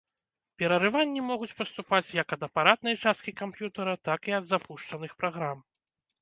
Перарыванні могуць паступаць як ад апаратнай часткі камп'ютара, так і ад запушчаных праграм.